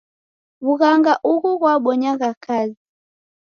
W'ughanga ughu ghwabonyagha kazi.